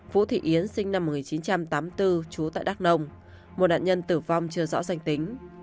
vũ thị yến sinh năm một nghìn chín trăm tám mươi bốn trú tại đắk nông một nạn nhân tử vong chưa rõ danh tính